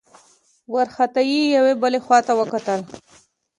وارخطا يې يوې بلې خواته وکتل.